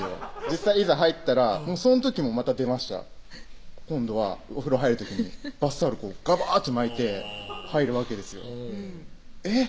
実際いざ入ったらその時もまた出ました今度はお風呂入る時にバスタオルがばっと巻いて入るわけですよえっ？